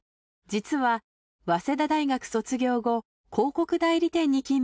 実は早稲田大学卒業後広告代理店に勤務した経歴が。